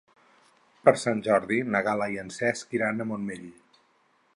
Per Sant Jordi na Gal·la i en Cesc iran al Montmell.